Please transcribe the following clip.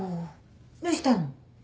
どうしたの？